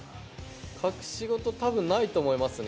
隠し事、たぶんないと思いますね。